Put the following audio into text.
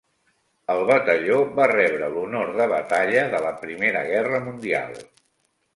El batalló va rebre l'honor de batalla de la Primera Guerra Mundial.